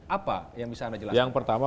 apa yang bisa anda jelaskan pertama